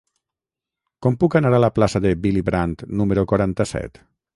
Com puc anar a la plaça de Willy Brandt número quaranta-set?